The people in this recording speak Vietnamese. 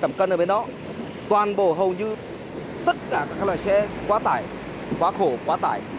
chẳng cần ở bên đó toàn bộ hầu như tất cả các loại xe quá tải quá khổ quá tải